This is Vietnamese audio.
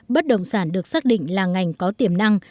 bất động sản được xác định là ngành có tiềm năng